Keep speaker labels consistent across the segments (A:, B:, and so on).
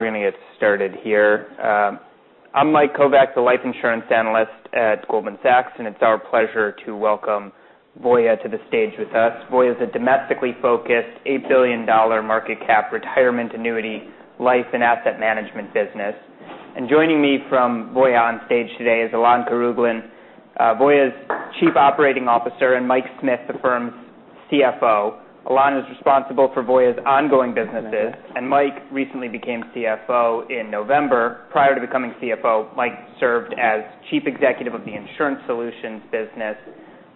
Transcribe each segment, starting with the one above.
A: We're going to get started here. I'm Mike Kovac, the life insurance analyst at Goldman Sachs, and it's our pleasure to welcome Voya to the stage with us. Voya is a domestically focused, $8 billion market cap, retirement annuity, life and asset management business. Joining me from Voya on stage today is Alain Karaoglan, Voya's Chief Operating Officer, and Mike Smith, the firm's CFO. Alain is responsible for Voya's ongoing businesses, and Mike recently became CFO in November. Prior to becoming CFO, Mike served as Chief Executive of the insurance solutions business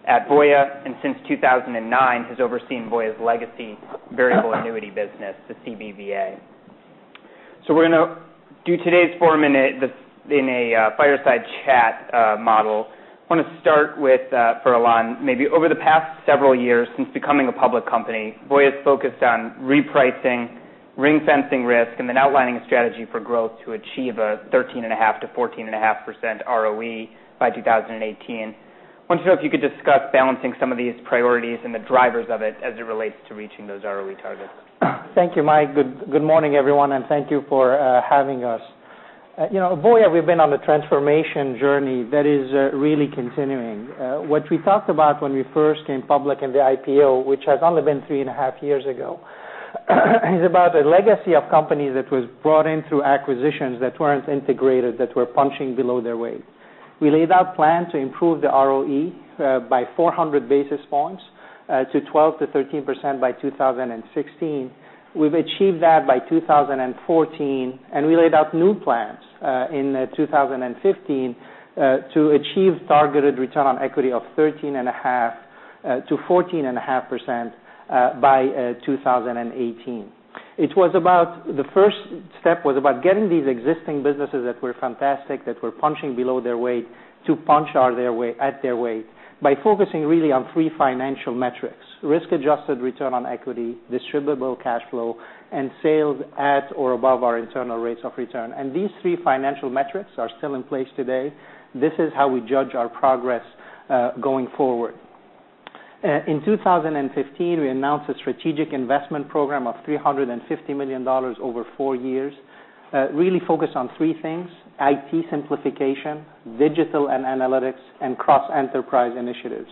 A: at Voya, and since 2009, has overseen Voya's legacy Variable Annuity business, the CBVA. We're going to do today's forum in a fireside chat model. I want to start with, for Alain, maybe over the past several years since becoming a public company, Voya's focused on repricing, ring-fencing risk, and outlining a strategy for growth to achieve a 13.5%-14.5% ROE by 2018. I want to know if you could discuss balancing some of these priorities and the drivers of it as it relates to reaching those ROE targets.
B: Thank you, Mike. Good morning, everyone. Thank you for having us. At Voya, we've been on the transformation journey that is really continuing. What we talked about when we first came public in the IPO, which has only been three and a half years ago, is about a legacy of companies that was brought in through acquisitions that weren't integrated, that were punching below their weight. We laid out plan to improve the ROE by 400 basis points to 12%-13% by 2016. We've achieved that by 2014, and we laid out new plans in 2015 to achieve targeted return on equity of 13.5%-14.5% by 2018. The first step was about getting these existing businesses that were fantastic, that were punching below their weight, to punch at their weight by focusing really on three financial metrics: risk-adjusted return on equity, distributable cash flow, and sales at or above our internal rates of return. These three financial metrics are still in place today. This is how we judge our progress going forward. In 2015, we announced a strategic investment program of $350 million over four years. Really focused on three things, IT simplification, digital and analytics, and cross-enterprise initiatives.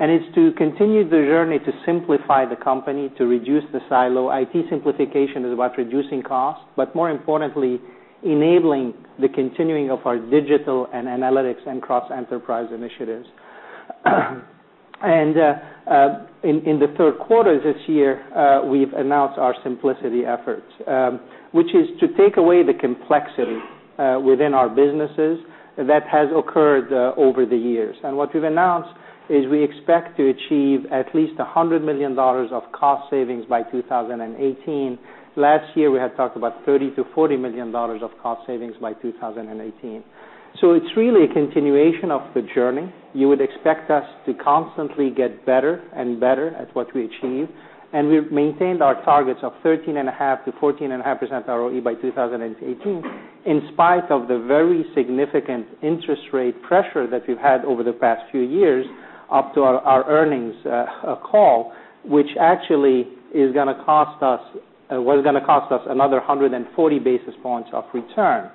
B: It's to continue the journey to simplify the company, to reduce the silo. IT simplification is about reducing costs, but more importantly, enabling the continuing of our digital and analytics and cross-enterprise initiatives. In the third quarter this year, we've announced our simplicity efforts, which is to take away the complexity within our businesses that has occurred over the years. What we've announced is we expect to achieve at least $100 million of cost savings by 2018. Last year, we had talked about $30 million-$40 million of cost savings by 2018. It's really a continuation of the journey. You would expect us to constantly get better and better at what we achieve. We've maintained our targets of 13.5%-14.5% ROE by 2018, in spite of the very significant interest rate pressure that we've had over the past few years up to our earnings call, which actually was going to cost us another 140 basis points of return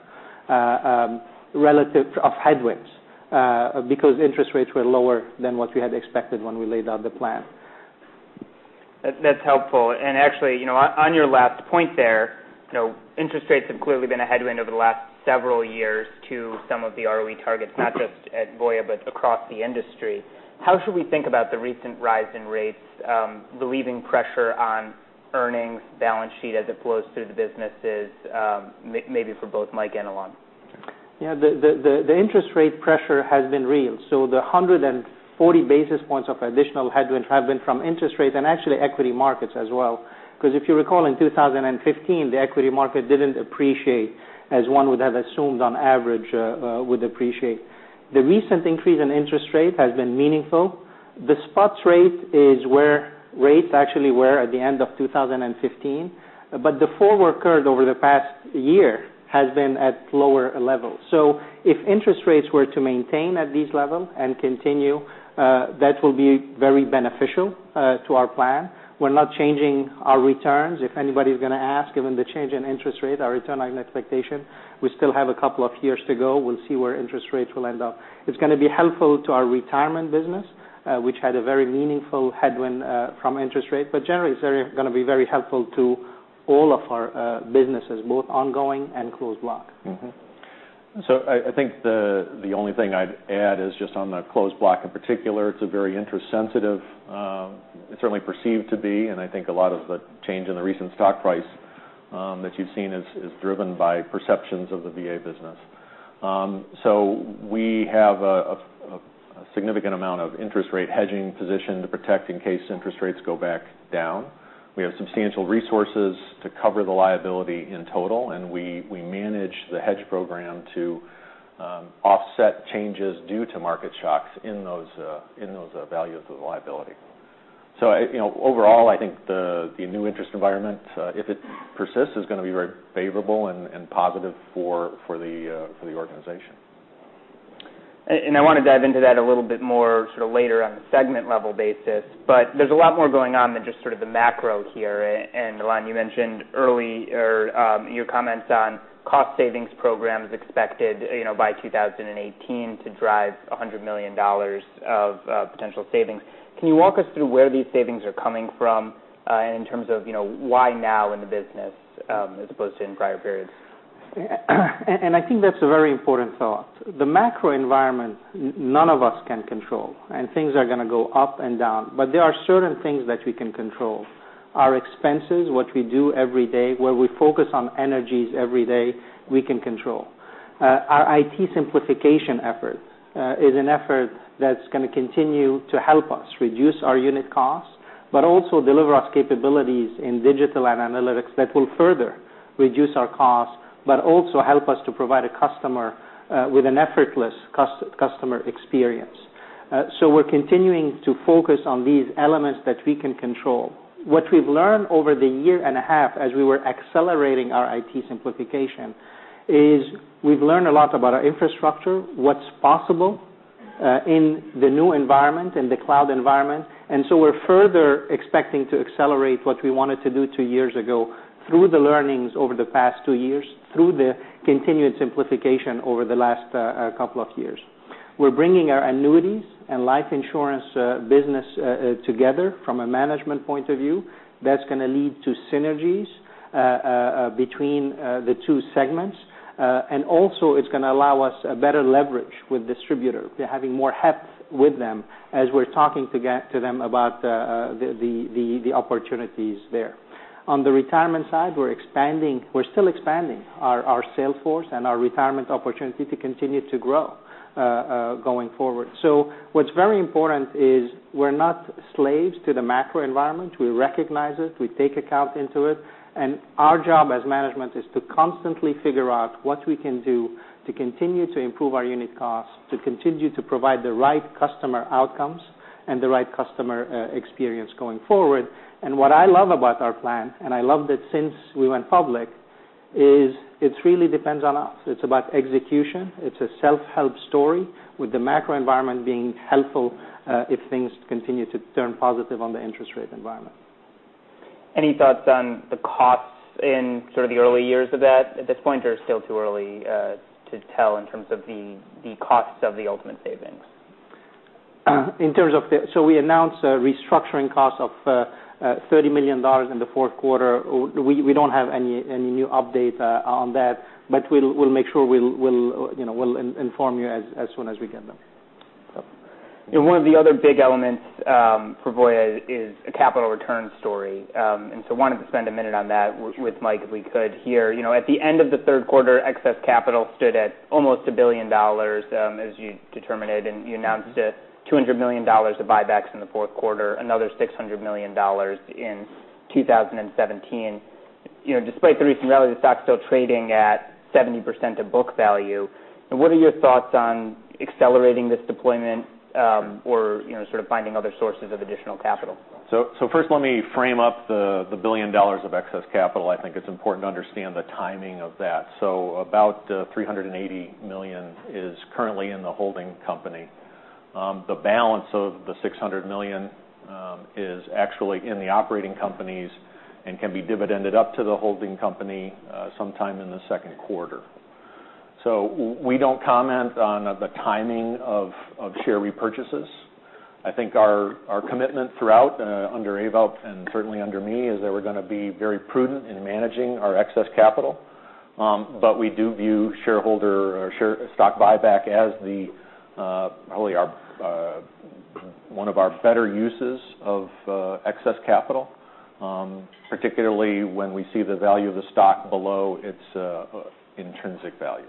B: of headwinds because interest rates were lower than what we had expected when we laid out the plan.
A: That's helpful. Actually, on your last point there, interest rates have clearly been a headwind over the last several years to some of the ROE targets, not just at Voya, but across the industry. How should we think about the recent rise in rates, the easing pressure on earnings balance sheet as it flows through the businesses, maybe for both Mike and Alain?
B: Yeah. The interest rate pressure has been real. The 140 basis points of additional headwinds have been from interest rates and actually equity markets as well. Because if you recall in 2015, the equity market didn't appreciate as one would have assumed on average would appreciate. The recent increase in interest rate has been meaningful. The spot rate is where rates actually were at the end of 2015, but the forward curve over the past year has been at lower levels. If interest rates were to maintain at this level and continue, that will be very beneficial to our plan. We're not changing our returns. If anybody's going to ask, given the change in interest rate, our return on expectation, we still have a couple of years to go. We'll see where interest rates will end up. It's going to be helpful to our retirement business, which had a very meaningful headwind from interest rate. Generally, it's going to be very helpful to all of our businesses, both ongoing and closed block.
C: Mm-hmm. I think the only thing I'd add is just on the closed block in particular, it's a very interest sensitive. It's certainly perceived to be, and I think a lot of the change in the recent stock price that you've seen is driven by perceptions of the VA business. We have a significant amount of interest rate hedging position to protect in case interest rates go back down. We have substantial resources to cover the liability in total, and we manage the hedge program to offset changes due to market shocks in those values of the liability. Overall, I think the new interest environment, if it persists, is going to be very favorable and positive for the organization.
A: I want to dive into that a little bit more later on a segment level basis. There's a lot more going on than just sort of the macro here. Alain, you mentioned early your comments on cost savings programs expected by 2018 to drive $100 million of potential savings. Can you walk us through where these savings are coming from in terms of why now in the business as opposed to in prior periods?
B: I think that's a very important thought. The macro environment, none of us can control, and things are going to go up and down. There are certain things that we can control. Our expenses, what we do every day, where we focus on energies every day, we can control. Our IT simplification effort is an effort that's going to continue to help us reduce our unit costs, but also deliver us capabilities in digital and analytics that will further reduce our costs, but also help us to provide a customer with an effortless customer experience. We're continuing to focus on these elements that we can control. What we've learned over the year and a half as we were accelerating our IT simplification is we've learned a lot about our infrastructure, what's possible in the new environment, in the cloud environment. We're further expecting to accelerate what we wanted to do two years ago through the learnings over the past two years, through the continued simplification over the last couple of years. We're bringing our annuities and life insurance business together from a management point of view. That's going to lead to synergies between the two segments. It's going to allow us a better leverage with distributor, having more heft with them as we're talking to them about the opportunities there. On the retirement side, we're still expanding our sales force and our retirement opportunity to continue to grow going forward. What's very important is we're not slaves to the macro environment. We recognize it, we take account into it, our job as management is to constantly figure out what we can do to continue to improve our unit costs, to continue to provide the right customer outcomes and the right customer experience going forward. What I love about our plan, and I loved it since we went public, is it really depends on us. It's about execution. It's a self-help story with the macro environment being helpful if things continue to turn positive on the interest rate environment.
A: Any thoughts on the costs in sort of the early years of that at this point, or still too early to tell in terms of the costs of the ultimate savings?
B: We announced a restructuring cost of $30 million in the fourth quarter. We don't have any new update on that, we'll make sure we'll inform you as soon as we get them.
A: One of the other big elements for Voya is a capital return story. Wanted to spend a minute on that with Mike, if we could here. At the end of the third quarter, excess capital stood at almost $1 billion as you determined it, you announced $200 million of buybacks in the fourth quarter, another $600 million in 2017. Despite the recent rally, the stock's still trading at 70% of book value. What are your thoughts on accelerating this deployment or sort of finding other sources of additional capital?
C: First let me frame up the $1 billion of excess capital. I think it's important to understand the timing of that. About $380 million is currently in the holding company. The balance of the $600 million is actually in the operating companies and can be dividended up to the holding company sometime in the second quarter. We don't comment on the timing of share repurchases. I think our commitment throughout under Abel and certainly under me is that we're going to be very prudent in managing our excess capital. We do view shareholder stock buyback as probably one of our better uses of excess capital, particularly when we see the value of the stock below its intrinsic value.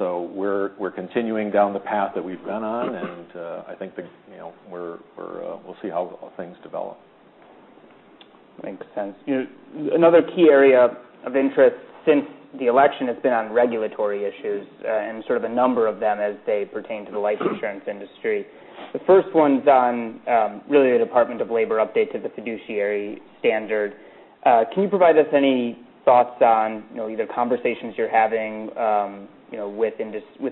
C: We're continuing down the path that we've been on, and I think we'll see how things develop.
A: Makes sense. Another key area of interest since the election has been on regulatory issues and sort of a number of them as they pertain to the life insurance industry. The first one's on really the Department of Labor update to the fiduciary standard. Can you provide us any thoughts on either conversations you're having with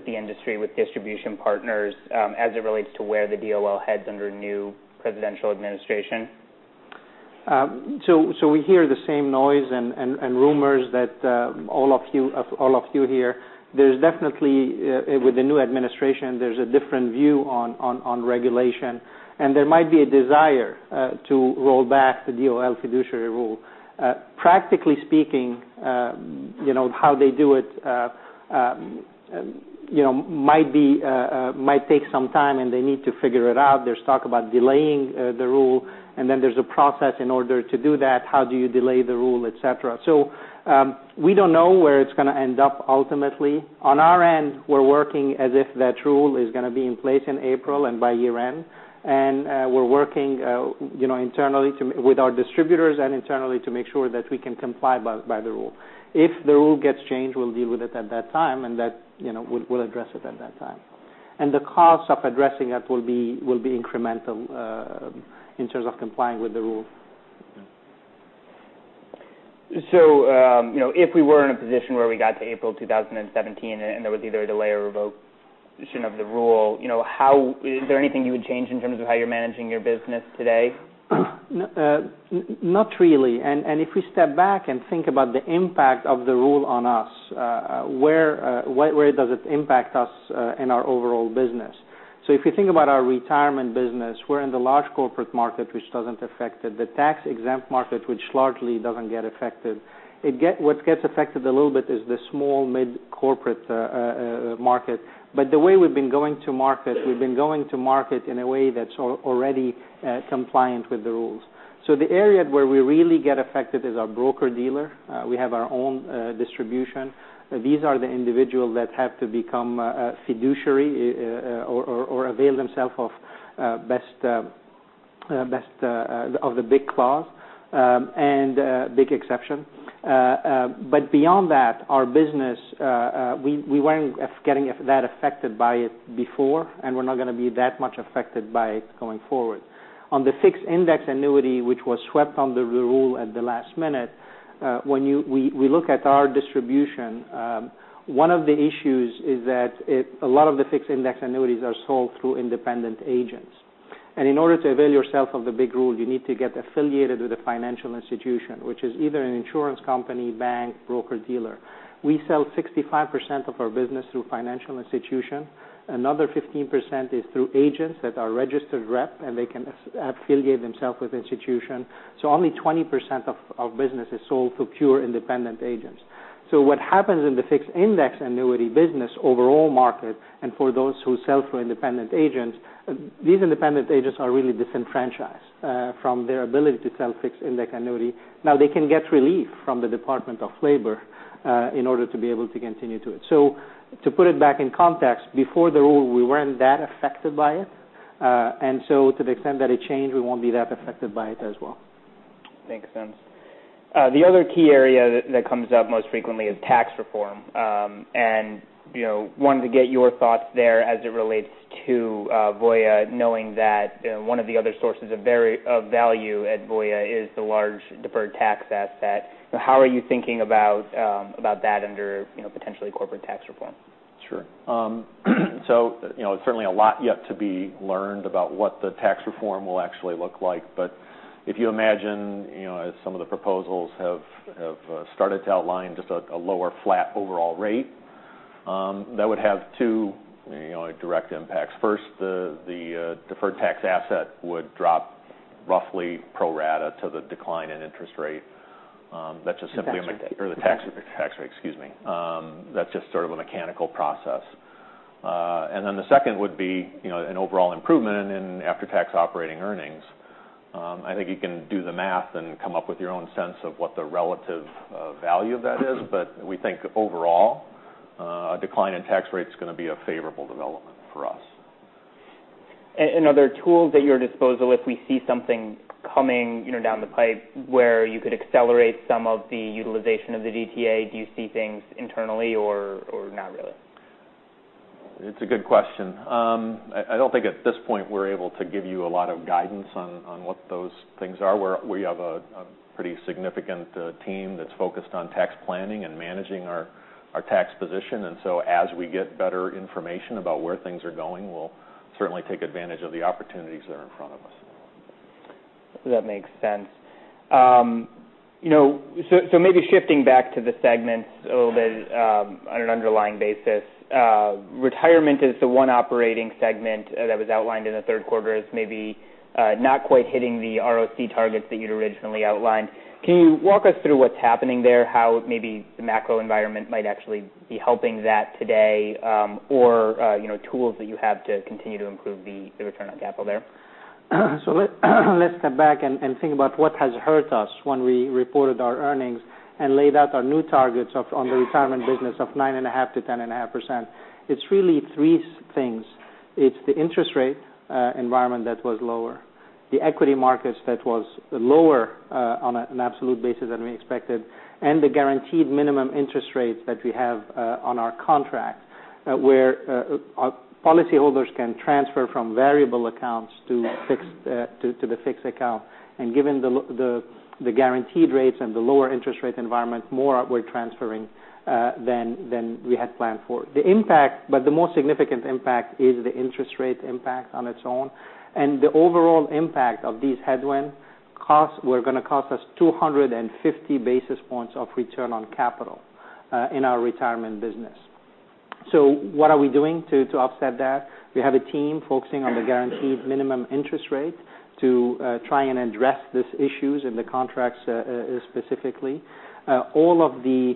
A: the industry, with distribution partners as it relates to where the DOL heads under new presidential administration?
B: We hear the same noise and rumors that all of you hear. There's definitely, with the new administration, there's a different view on regulation, and there might be a desire to roll back the DOL fiduciary rule. Practically speaking, how they do it might take some time, and they need to figure it out. There's talk about delaying the rule, there's a process in order to do that, how do you delay the rule, et cetera. We don't know where it's going to end up ultimately. On our end, we're working as if that rule is going to be in place in April and by year-end. We're working with our distributors and internally to make sure that we can comply by the rule. If the rule gets changed, we'll deal with it at that time, and we'll address it at that time. The cost of addressing that will be incremental in terms of complying with the rule.
A: if we were in a position where we got to April 2017 and there was either a delay or revocation of the rule, is there anything you would change in terms of how you're managing your business today?
B: Not really. If we step back and think about the impact of the rule on us, where does it impact us in our overall business? If you think about our retirement business, we're in the large corporate market, which doesn't affect it, the tax-exempt market, which largely doesn't get affected. What gets affected a little bit is the small, mid-corporate market. The way we've been going to market, we've been going to market in a way that's already compliant with the rules. The area where we really get affected is our broker-dealer. We have our own distribution. These are the individuals that have to become a fiduciary or avail themselves of the BIC clause and BIC exception. Beyond that, our business, we weren't getting that affected by it before, and we're not going to be that much affected by it going forward. On the Fixed Index Annuity, which was swept under the rule at the last minute, when we look at our distribution, one of the issues is that a lot of the Fixed Index Annuities are sold through independent agents. In order to avail yourself of the BIC rule, you need to get affiliated with a financial institution, which is either an insurance company, bank, broker-dealer. We sell 65% of our business through financial institutions. Another 15% is through agents that are registered rep, and they can affiliate themselves with institutions. Only 20% of business is sold through pure independent agents. What happens in the Fixed Index Annuity business overall market, and for those who sell through independent agents, these independent agents are really disenfranchised from their ability to sell Fixed Index Annuity. Now they can get relief from the Department of Labor in order to be able to continue to it. To put it back in context, before the rule, we weren't that affected by it. To the extent that it changed, we won't be that affected by it as well.
A: Makes sense. The other key area that comes up most frequently is tax reform. Wanted to get your thoughts there as it relates to Voya, knowing that one of the other sources of value at Voya is the large deferred tax asset. How are you thinking about that under potentially corporate tax reform?
C: Sure. Certainly a lot yet to be learned about what the tax reform will actually look like. If you imagine as some of the proposals have started to outline just a lower flat overall rate, that would have two direct impacts. First, the deferred tax asset would drop roughly pro rata to the decline in interest rate. That's just simply-
B: Tax rate.
C: Or the tax rate, excuse me. That's just sort of a mechanical process. The second would be an overall improvement in after-tax operating earnings. I think you can do the math and come up with your own sense of what the relative value of that is. We think overall, a decline in tax rate is going to be a favorable development for us.
A: Are there tools at your disposal if we see something coming down the pipe where you could accelerate some of the utilization of the DTA? Do you see things internally or not really?
C: It's a good question. I don't think at this point we're able to give you a lot of guidance on what those things are. We have a pretty significant team that's focused on tax planning and managing our tax position. As we get better information about where things are going, we'll certainly take advantage of the opportunities that are in front of us.
A: That makes sense. Maybe shifting back to the segments a little bit on an underlying basis. Retirement is the one operating segment that was outlined in the third quarter as maybe not quite hitting the ROC targets that you'd originally outlined. Can you walk us through what's happening there, how maybe the macro environment might actually be helping that today or tools that you have to continue to improve the return on capital there?
B: Let's step back and think about what has hurt us when we reported our earnings and laid out our new targets on the retirement business of 9.5%-10.5%. It's really three things. It's the interest rate environment that was lower, the equity markets that was lower on an absolute basis than we expected, and the guaranteed minimum interest rates that we have on our contract, where our policyholders can transfer from variable accounts to the fixed account. Given the guaranteed rates and the lower interest rate environment, more were transferring than we had planned for. The most significant impact is the interest rate impact on its own. The overall impact of these headwind costs were going to cost us 250 basis points of return on capital in our retirement business. What are we doing to offset that? We have a team focusing on the guaranteed minimum interest rate to try and address these issues in the contracts specifically. All of the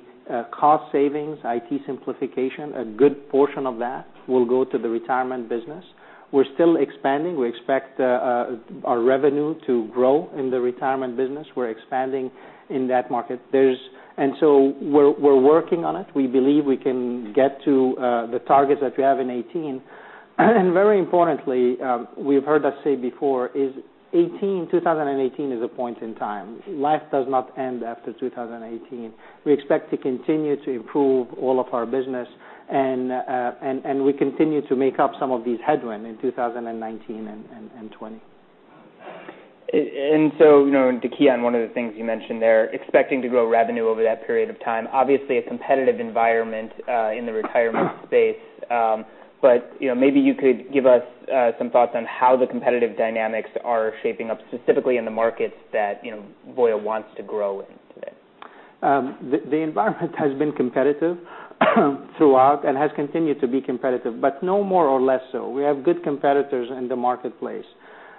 B: cost savings, IT simplification, a good portion of that will go to the retirement business. We're still expanding. We expect our revenue to grow in the retirement business. We're expanding in that market. We're working on it. We believe we can get to the targets that we have in 2018. Very importantly, you've heard us say before, 2018 is a point in time. Life does not end after 2018. We expect to continue to improve all of our business and we continue to make up some of these headwind in 2019 and 2020.
A: To key on one of the things you mentioned there, expecting to grow revenue over that period of time. Obviously, a competitive environment in the retirement space. Maybe you could give us some thoughts on how the competitive dynamics are shaping up, specifically in the markets that Voya wants to grow in today.
B: The environment has been competitive throughout and has continued to be competitive, no more or less so. We have good competitors in the marketplace.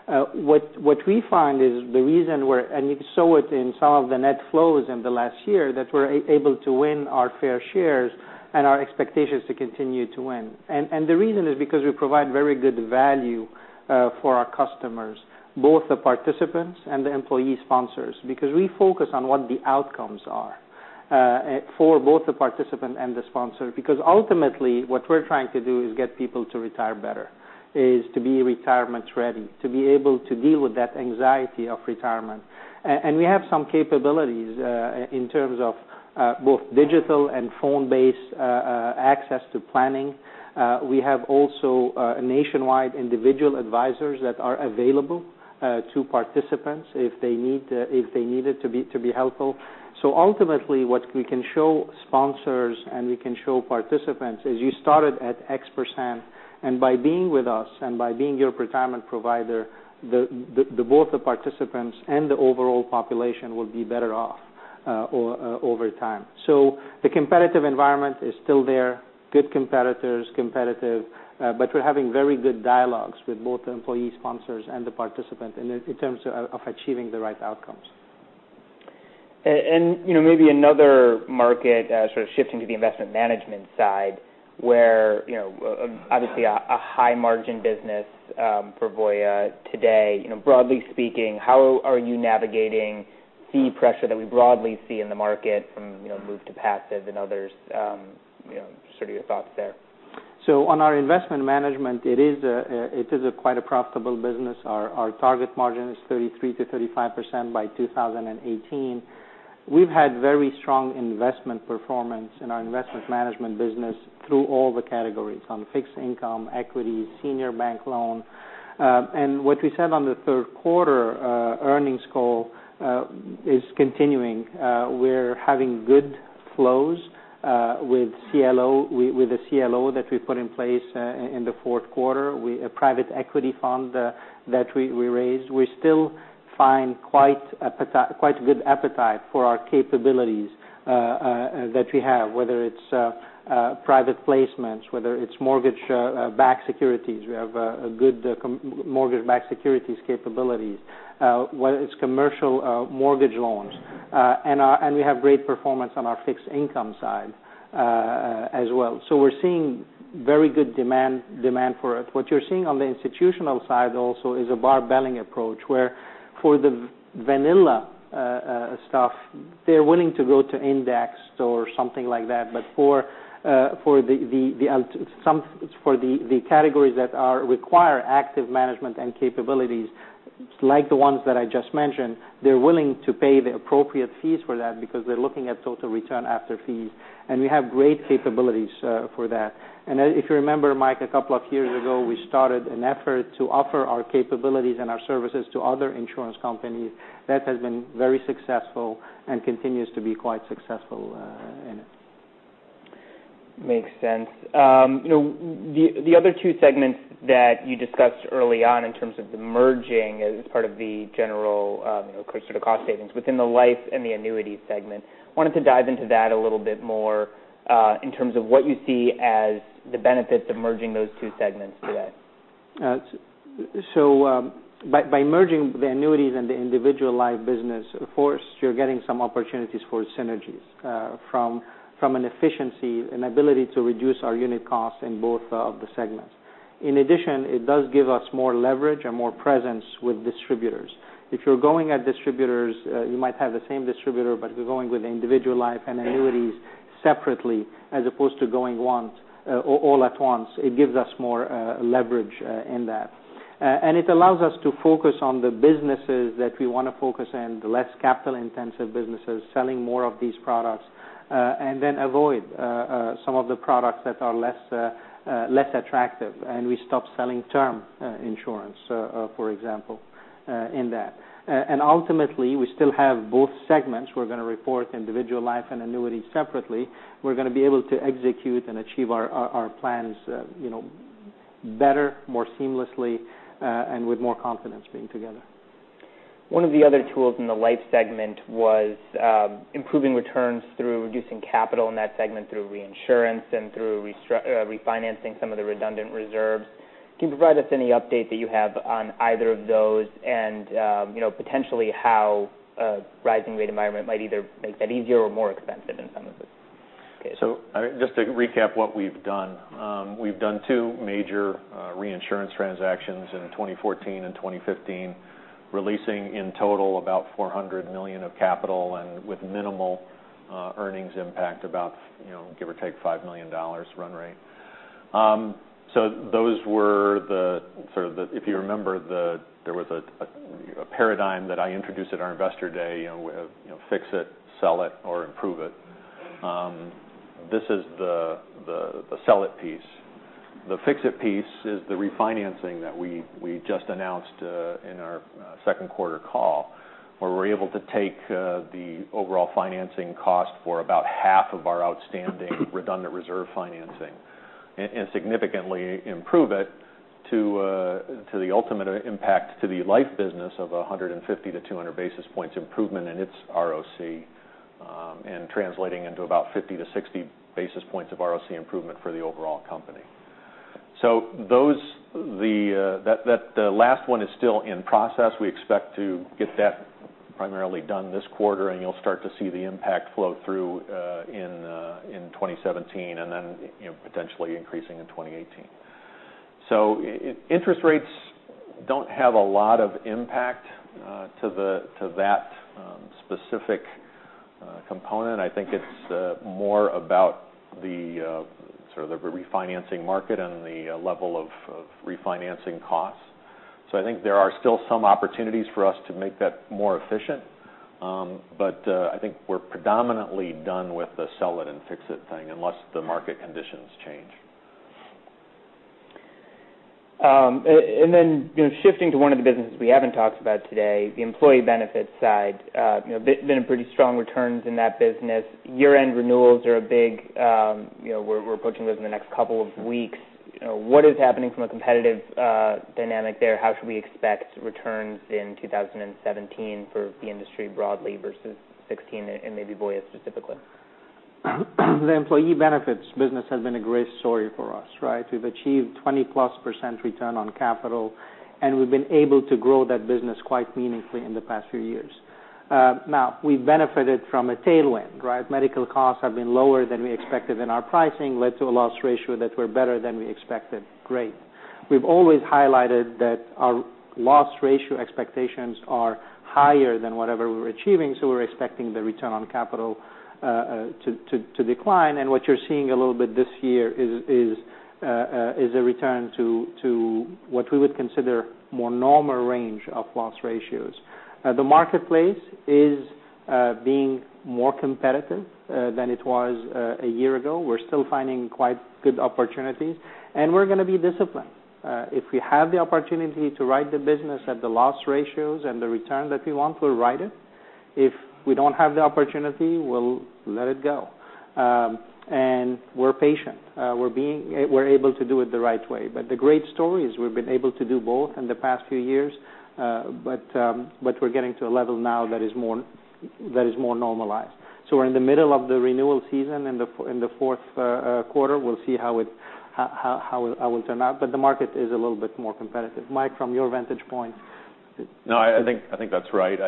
B: What we find is the reason you saw it in some of the net flows in the last year, that we're able to win our fair shares and our expectations to continue to win. The reason is because we provide very good value for our customers, both the participants and the employee sponsors, because we focus on what the outcomes are, for both the participant and the sponsor. Ultimately, what we're trying to do is get people to retire better, is to be retirement ready, to be able to deal with that anxiety of retirement. We have some capabilities in terms of both digital and phone-based access to planning. We have also nationwide individual advisors that are available to participants if they need it to be helpful. Ultimately, what we can show sponsors and we can show participants is you started at X%, and by being with us and by being your retirement provider, both the participants and the overall population will be better off over time. The competitive environment is still there, good competitors, competitive, we're having very good dialogues with both the employee sponsors and the participants in terms of achieving the right outcomes.
A: Maybe another market, shifting to the investment management side, where obviously a high-margin business for Voya today. Broadly speaking, how are you navigating fee pressure that we broadly see in the market from move to passive and others? Just sort of your thoughts there.
B: On our investment management, it is quite a profitable business. Our target margin is 33%-35% by 2018. We've had very strong investment performance in our investment management business through all the categories, on fixed income, equity, Senior Bank Loan. What we said on the third quarter earnings call is continuing. We're having good flows with the CLO that we put in place in the fourth quarter. A private equity fund that we raised. We still find quite a good appetite for our capabilities that we have, whether it's Private Placements, whether it's Mortgage-Backed Securities. We have a good Mortgage-Backed Securities capabilities. Whether it's commercial mortgage loans. We have great performance on our fixed income side as well. We're seeing very good demand for it. What you're seeing on the institutional side also is a barbelling approach, where for the vanilla stuff, they're willing to go to indexed or something like that. For the categories that require active management and capabilities like the ones that I just mentioned, they're willing to pay the appropriate fees for that because they're looking at total return after fees. We have great capabilities for that. If you remember, Mike, a couple of years ago, we started an effort to offer our capabilities and our services to other insurance companies. That has been very successful and continues to be quite successful.
A: Makes sense. The other two segments that you discussed early on in terms of the merging as part of the general cost savings within the life and the annuity segment, I wanted to dive into that a little bit more, in terms of what you see as the benefits of merging those two segments today.
B: By merging the annuities and the individual life business, of course, you're getting some opportunities for synergies, from an efficiency, an ability to reduce our unit costs in both of the segments. In addition, it does give us more leverage and more presence with distributors. If you're going at distributors, you might have the same distributor, but if you're going with individual life and annuities separately, as opposed to going all at once, it gives us more leverage in that. It allows us to focus on the businesses that we want to focus in, the less capital intensive businesses, selling more of these products, and then avoid some of the products that are less attractive. We stop selling term insurance, for example, in that. Ultimately, we still have both segments. We're going to report individual life and annuities separately. We're going to be able to execute and achieve our plans better, more seamlessly, and with more confidence being together.
A: One of the other tools in the life segment was improving returns through reducing capital in that segment through reinsurance and through refinancing some of the redundant reserves. Can you provide us any update that you have on either of those and potentially how a rising rate environment might either make that easier or more expensive in some of this?
C: Just to recap what we've done. We've done two major reinsurance transactions in 2014 and 2015, releasing in total about $400 million of capital and with minimal earnings impact, about give or take $5 million run rate. Those were the If you remember, there was a paradigm that I introduced at our investor day, fix it, sell it, or improve it. This is the sell it piece. The fix it piece is the refinancing that we just announced in our second quarter call, where we're able to take the overall financing cost for about half of our outstanding redundant reserve financing and significantly improve it to the ultimate impact to the life business of 150 to 200 basis points improvement in its ROC, and translating into about 50 to 60 basis points of ROC improvement for the overall company. That last one is still in process. We expect to get that primarily done this quarter. You'll start to see the impact flow through in 2017 and then potentially increasing in 2018. Interest rates don't have a lot of impact to that specific component. I think it's more about the refinancing market and the level of refinancing costs. I think there are still some opportunities for us to make that more efficient. I think we're predominantly done with the sell it and fix it thing unless the market conditions change.
A: Shifting to one of the businesses we haven't talked about today, the employee benefits side. Been pretty strong returns in that business. Year-end renewals are big. We're approaching those in the next couple of weeks. What is happening from a competitive dynamic there? How should we expect returns in 2017 for the industry broadly versus 2016 and maybe Voya specifically?
B: The employee benefits business has been a great story for us, right? We've achieved 20-plus % return on capital. We've been able to grow that business quite meaningfully in the past few years. We benefited from a tailwind, right? Medical costs have been lower than we expected in our pricing, led to a loss ratio that we're better than we expected. Great. We've always highlighted that our loss ratio expectations are higher than whatever we're achieving. We're expecting the return on capital to decline. What you're seeing a little bit this year is a return to what we would consider more normal range of loss ratios. The marketplace is being more competitive than it was a year ago. We're still finding quite good opportunities. We're going to be disciplined. If we have the opportunity to ride the business at the loss ratios and the return that we want, we'll ride it. If we don't have the opportunity, we'll let it go. We're patient. We're able to do it the right way. The great story is we've been able to do both in the past few years. We're getting to a level now that is more normalized. We're in the middle of the renewal season in the fourth quarter. We'll see how it will turn out. The market is a little bit more competitive. Mike, from your vantage point.
C: No, I think that's right.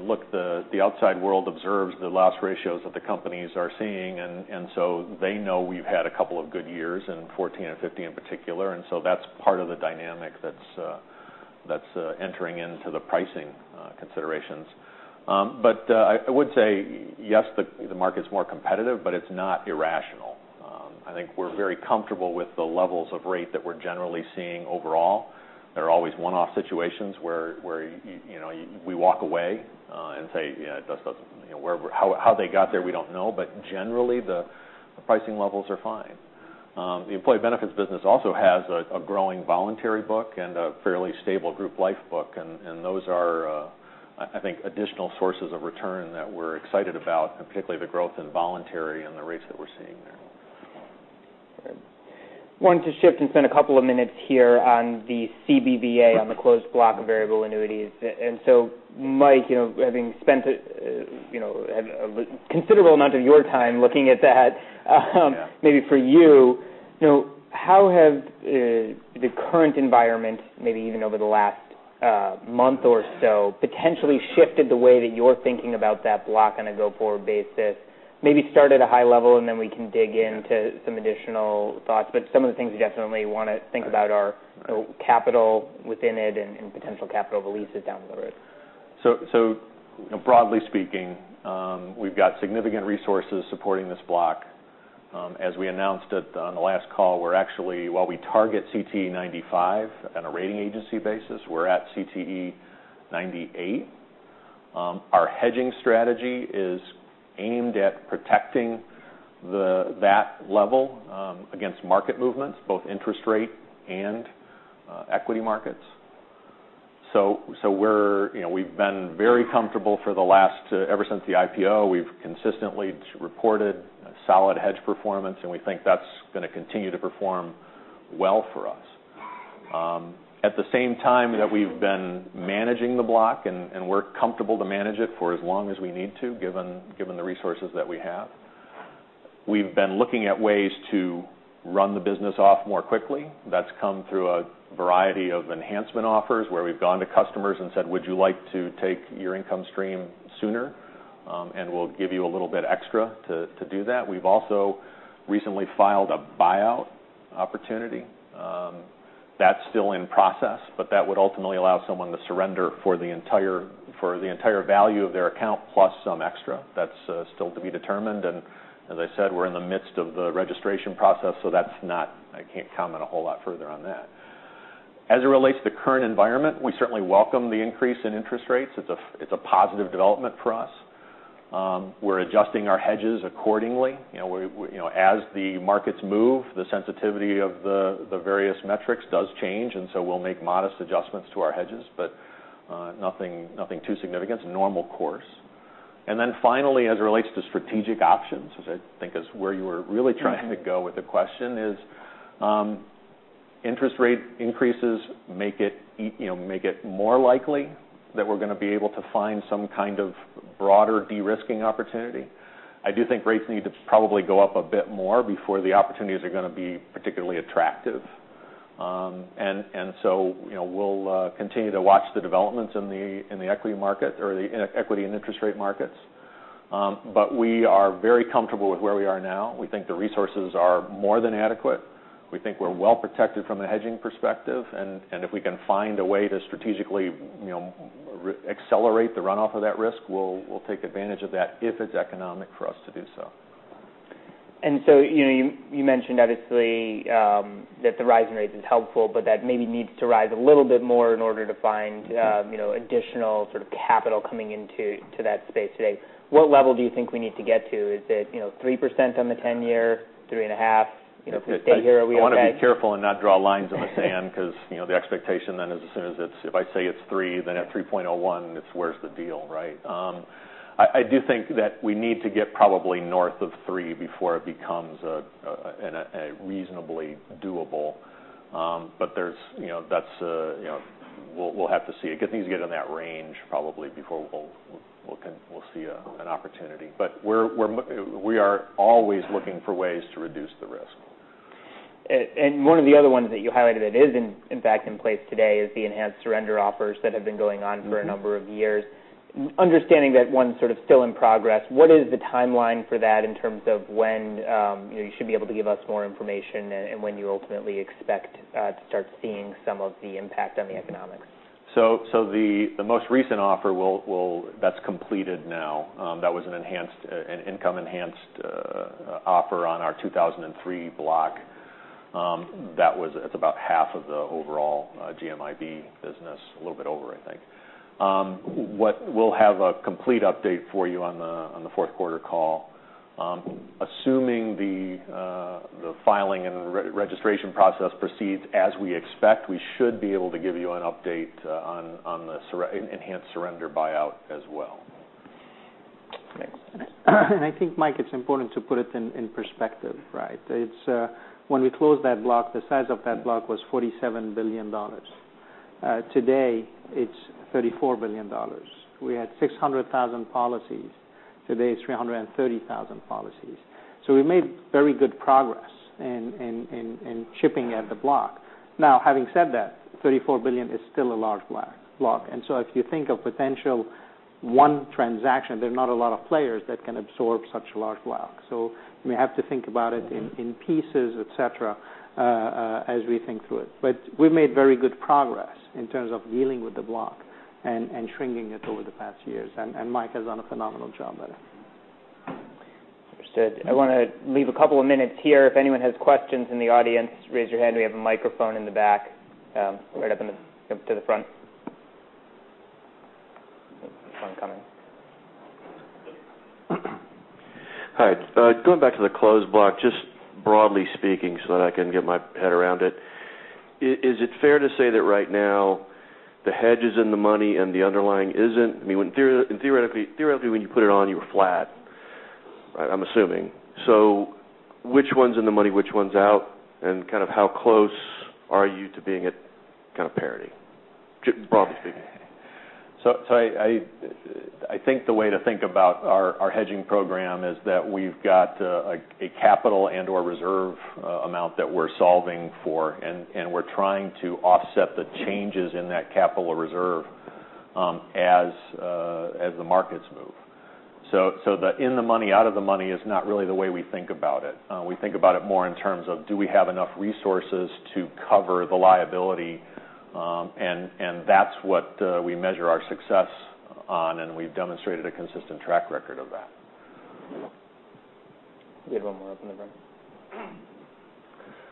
C: Look, the outside world observes the loss ratios that the companies are seeing. They know we've had a couple of good years in 2014 and 2015 in particular. That's part of the dynamic that's entering into the pricing considerations. I would say yes, the market's more competitive, but it's not irrational. I think we're very comfortable with the levels of rate that we're generally seeing overall. There are always one-off situations where we walk away and say, how they got there, we don't know, but generally the pricing levels are fine. The employee benefits business also has a growing voluntary book and a fairly stable group life book. Those are, I think, additional sources of return that we're excited about, and particularly the growth in voluntary and the rates that we're seeing there.
A: Wanted to shift and spend a couple of minutes here on the CBVA, on the closed block of Variable Annuities. Mike, having spent a considerable amount of your time looking at that.
C: Yeah.
A: Maybe for you, how have the current environment, maybe even over the last month or so, potentially shifted the way that you're thinking about that block on a go-forward basis? Maybe start at a high level. We can dig into some additional thoughts. Some of the things we definitely want to think about are the capital within it and potential capital releases down the road.
C: Broadly speaking, we've got significant resources supporting this block. As we announced on the last call, while we target CTE 95 on a rating agency basis, we're at CTE 98. Our hedging strategy is aimed at protecting that level against market movements, both interest rate and equity markets. We've been very comfortable for the last, ever since the IPO, we've consistently reported solid hedge performance, and we think that's going to continue to perform well for us. At the same time that we've been managing the block, and we're comfortable to manage it for as long as we need to given the resources that we have, we've been looking at ways to run the business off more quickly. That's come through a variety of enhancement offers where we've gone to customers and said, "Would you like to take your income stream sooner? We'll give you a little bit extra to do that." We've also recently filed a buyout opportunity. That's still in process, but that would ultimately allow someone to surrender for the entire value of their account, plus some extra. That's still to be determined, and as I said, we're in the midst of the registration process, so I can't comment a whole lot further on that. As it relates to the current environment, we certainly welcome the increase in interest rates. It's a positive development for us. We're adjusting our hedges accordingly. As the markets move, the sensitivity of the various metrics does change. We'll make modest adjustments to our hedges. Nothing too significant. It's normal course. Finally, as it relates to strategic options, which I think is where you were really trying to go with the question is, interest rate increases make it more likely that we're going to be able to find some kind of broader de-risking opportunity. I do think rates need to probably go up a bit more before the opportunities are going to be particularly attractive. We'll continue to watch the developments in the equity market or the equity and interest rate markets. We are very comfortable with where we are now. We think the resources are more than adequate. We think we're well protected from a hedging perspective, and if we can find a way to strategically accelerate the runoff of that risk, we'll take advantage of that if it's economic for us to do so.
A: You mentioned, obviously, that the rise in rates is helpful, but that maybe needs to rise a little bit more in order to find additional sort of capital coming into that space today. What level do you think we need to get to? Is it 3% on the 10-year, 3.5%? If we stay here, are we okay?
C: I want to be careful and not draw lines in the sand because the expectation then is as soon as if I say it's 3, then at 3.01, it's where's the deal, right? I do think that we need to get probably north of 3 before it becomes reasonably doable. We'll have to see. It needs to get in that range probably before we'll see an opportunity. We are always looking for ways to reduce the risk.
A: One of the other ones that you highlighted that is in fact in place today is the enhanced surrender offers that have been going on for a number of years. Understanding that one's sort of still in progress, what is the timeline for that in terms of when you should be able to give us more information and when you ultimately expect to start seeing some of the impact on the economics?
C: The most recent offer that's completed now, that was an income-enhanced offer on our 2003 block. That's about half of the overall GMIB business, a little bit over, I think. We'll have a complete update for you on the fourth-quarter call. Assuming the filing and registration process proceeds as we expect, we should be able to give you an update on the enhanced surrender buyout as well.
A: Thanks.
B: I think, Mike, it's important to put it in perspective, right? When we closed that block, the size of that block was $47 billion. Today, it's $34 billion. We had 600,000 policies. Today, it's 330,000 policies. We made very good progress in chipping at the block. Now, having said that, $34 billion is still a large block. If you think of potential one transaction, there are not a lot of players that can absorb such a large block. We have to think about it in pieces, et cetera, as we think through it. We've made very good progress in terms of dealing with the block and shrinking it over the past years. Mike has done a phenomenal job at it.
A: Understood. I want to leave a couple of minutes here. If anyone has questions in the audience, raise your hand. We have a microphone in the back, right up to the front. One coming.
D: Hi. Going back to the closed block, just broadly speaking, so that I can get my head around it. Is it fair to say that right now the hedge is in the money and the underlying isn't? Theoretically, when you put it on, you were flat, I'm assuming. Which one's in the money, which one's out, and kind of how close are you to being at parity? Broadly speaking.
C: I think the way to think about our hedging program is that we've got a capital and/or reserve amount that we're solving for, and we're trying to offset the changes in that capital or reserve as the markets move. The in the money, out of the money is not really the way we think about it. We think about it more in terms of do we have enough resources to cover the liability? That's what we measure our success on, and we've demonstrated a consistent track record of that.
A: We had one more up in the front.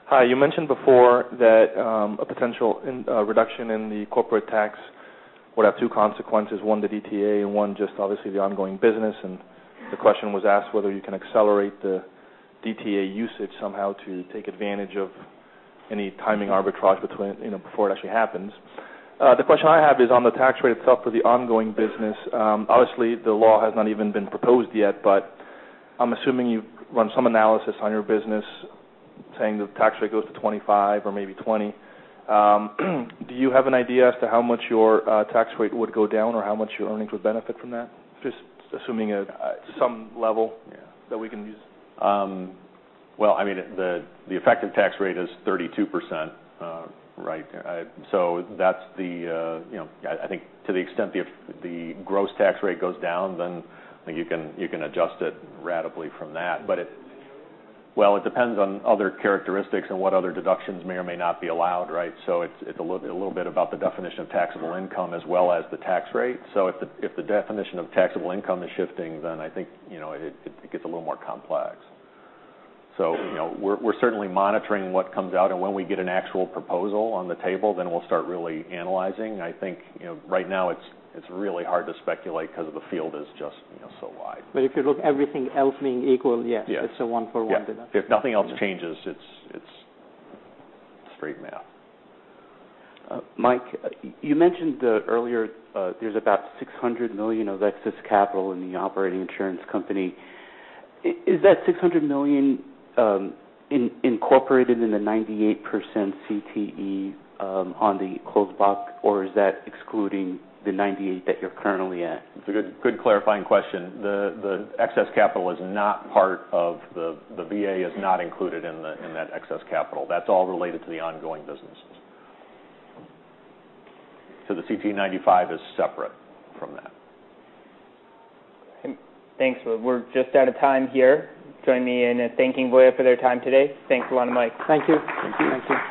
D: Hi. You mentioned before that a potential reduction in the corporate tax would have two consequences: one, the DTA, and one, just obviously the ongoing business. The question was asked whether you can accelerate the DTA usage somehow to take advantage of any timing arbitrage before it actually happens. The question I have is on the tax rate itself for the ongoing business. Obviously, the law has not even been proposed yet, but I'm assuming you've run some analysis on your business saying the tax rate goes to 25 or maybe 20. Do you have an idea as to how much your tax rate would go down or how much your earnings would benefit from that? Just assuming some level that we can use.
C: Well, I mean, the effective tax rate is 32%, right? I think to the extent the gross tax rate goes down, then I think you can adjust it ratably from that. Well, it depends on other characteristics and what other deductions may or may not be allowed, right? It's a little bit about the definition of taxable income as well as the tax rate. If the definition of taxable income is shifting, then I think it gets a little more complex. We're certainly monitoring what comes out, and when we get an actual proposal on the table, then we'll start really analyzing. I think right now it's really hard to speculate because the field is just so wide.
B: If you look everything else being equal, yes.
C: Yes
B: It's a one for one benefit.
C: Yeah. If nothing else changes, it's straight math.
D: Mike, you mentioned earlier there's about $600 million of excess capital in the operating insurance company. Is that $600 million incorporated in the 98% CTE on the closed block, or is that excluding the 98% that you're currently at?
C: It's a good clarifying question. The VA is not included in that excess capital. That's all related to the ongoing business. The CTE95 is separate from that.
A: Thanks. Well, we're just out of time here. Join me in thanking Voya for their time today. Thanks a lot, Mike.
B: Thank you.
C: Thank you.